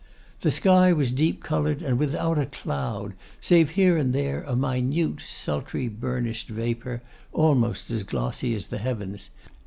The sky was deep coloured and without a cloud, save here and there a minute, sultry, burnished vapour, almost as glossy as the heavens.